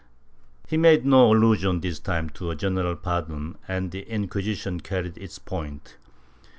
He made no allu sion, this time, to a general pardon and the Inquisition carried its point.